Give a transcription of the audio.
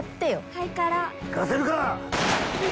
行かせるか！